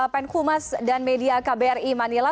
penkumas dan media kbri manila